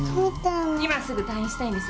今すぐ退院したいんです。